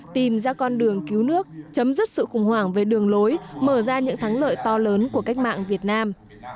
tìm ra con đường cứu nước chấm dứt sự khủng hoảng về đường lối mở ra những thắng lợi to lớn của cách mạng việt nam